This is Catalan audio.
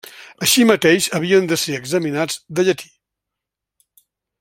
Així mateix havien de ser examinats de llatí.